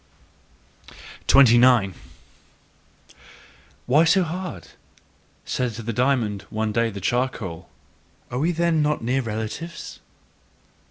29. "Why so hard!" said to the diamond one day the charcoal; "are we then not near relatives?"